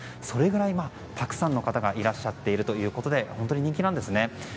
それぐらいたくさんの方がいらっしゃっているということで本当に人気なんですね。